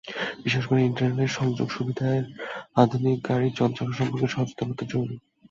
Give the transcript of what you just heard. বিশেষ করে ইন্টারনেট সংযোগ সুবিধার আধুনিক গাড়ির যন্ত্রাংশ সম্পর্কে সচেতনতা জরুরি।